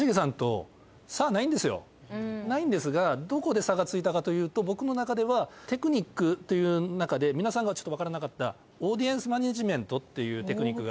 ないんですがどこで差がついたかというと僕の中ではテクニックという中で皆さんが分からなかったオーディエンスマネジメントというテクニックがあるんですよ。